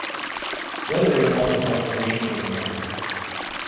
Weathering also helped create this marvel.